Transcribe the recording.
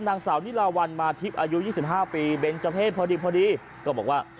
นางสาวนิรวรรณมาทริปอายุ๒๕ปีเบนเจ้าเพศพอดีก็บอกว่า